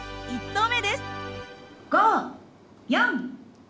１投目です。